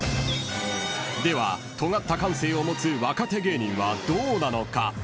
［ではとがった感性を持つ若手芸人はどうなのか］